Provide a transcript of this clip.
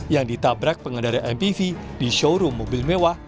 yang ditabrak pengendara mpv di showroom mobil mewah